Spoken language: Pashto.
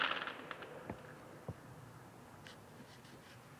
ژمي کې دلته واوره ورېده